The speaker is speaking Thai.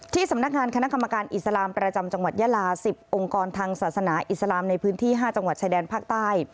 สำนักงานคณะกรรมการอิสลามประจำจังหวัดยาลา๑๐องค์กรทางศาสนาอิสลามในพื้นที่๕จังหวัดชายแดนภาคใต้